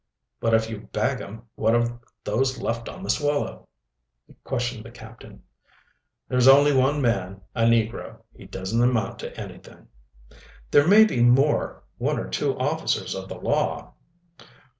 "But if you bag 'em, what of those left on the Swallow?" questioned the captain. "There is only one man, a negro. He doesn't amount to anything." "There may be more one or two officers of the law."